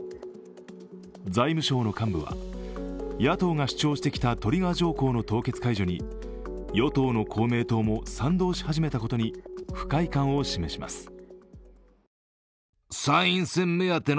財務省の幹部は野党が主張してきたトリガー条項の凍結解除に与党の公明党も賛同し始めたことに不快感を示します。